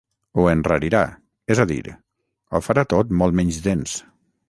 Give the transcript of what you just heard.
Ho enrarirà, és a dir, ho farà tot molt menys dens.